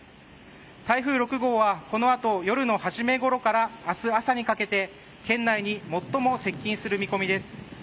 台風６号は、このあと夜の初めごろから明日朝にかけて県内に最も接近する見込みです。